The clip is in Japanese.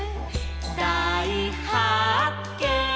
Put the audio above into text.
「だいはっけん！」